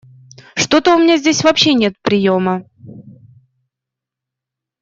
Что-то у меня здесь вообще нет приема.